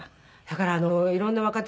だからいろんな若手の。